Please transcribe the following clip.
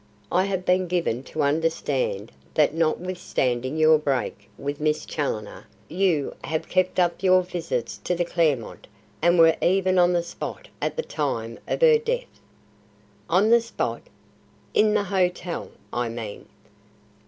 I have been given to understand that notwithstanding your break with Miss Challoner, you have kept up your visits to the Clermont and were even on the spot at the time of her death." "On the spot?" "In the hotel, I mean."